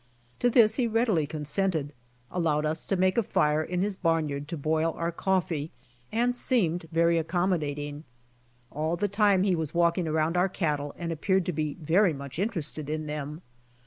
To this he readily consented, allowed us to make a fire in his^ barnyard to boil our coffee, and seemed very accommodating. All the time he was walking i around our cattle and appeared to be very mluch interested in them.